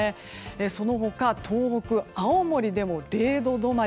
その他東北・青森でも０度止まり。